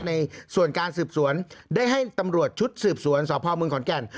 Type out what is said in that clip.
ในส่วนการสืบสวนได้ให้ตำรวจชุดสืบสวนสพเมืองขอนแก่น